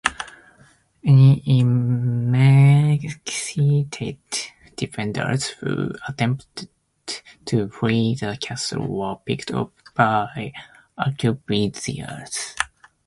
Any emaciated defenders who attempted to flee the castle were picked off by arquebusiers.